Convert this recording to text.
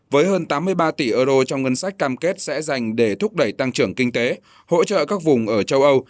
với hơn tám mươi ba tỷ euro trong ngân sách cam kết sẽ dành để thúc đẩy tăng trưởng kinh tế hỗ trợ các vùng ở châu âu